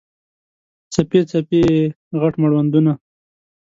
څپې، څپې یې، غټ مړوندونه